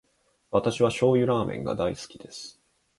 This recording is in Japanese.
私は醤油ラーメンが大好きです。